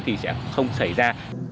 thì sẽ không xảy ra